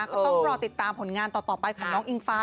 ก็ต้องรอติดตามผลงานต่อไปของน้องอิงฟ้า